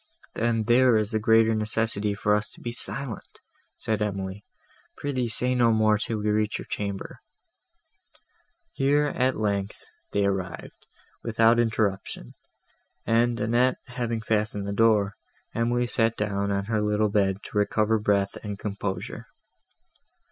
"Then there is the greater necessity for us to be silent," said Emily: "pr'ythee say no more, till we reach your chamber." Here, at length, they arrived, without interruption, and, Annette having fastened the door, Emily sat down on her little bed, to recover breath and composure.